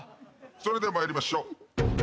それでは参りましょう。